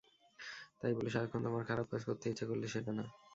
তাই বলে সারাক্ষণ তোমার খারাপ কাজ করতে ইচ্ছে করলে, সেটা না।